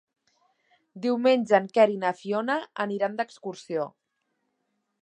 Diumenge en Quer i na Fiona aniran d'excursió.